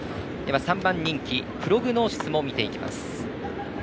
３番人気、プログノーシスも見ていきます。